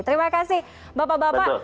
terima kasih bapak bapak